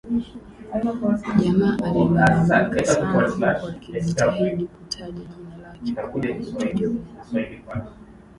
Jamaa alilalamika sana huku akijitahidi kutaja jina lake kuwa anaitwa Job